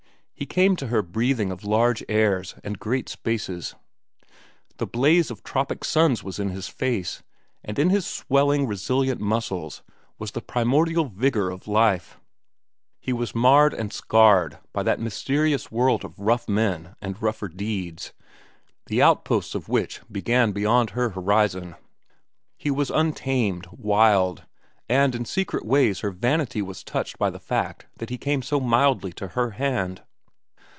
He came to her breathing of large airs and great spaces. The blaze of tropic suns was in his face, and in his swelling, resilient muscles was the primordial vigor of life. He was marred and scarred by that mysterious world of rough men and rougher deeds, the outposts of which began beyond her horizon. He was untamed, wild, and in secret ways her vanity was touched by the fact that he came so mildly to her hand.